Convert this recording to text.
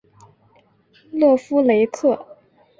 勒夫雷克。